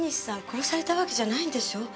殺されたわけじゃないんでしょ？